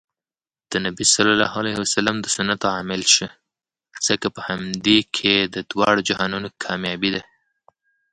د نبي ص د سنتو عاملشه ځکه په همدې کې د دواړو جهانونو کامیابي